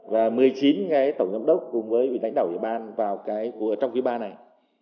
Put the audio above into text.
và một mươi chín tổng giám đốc cùng với vị đánh đảo giới ban vào trong phía ba này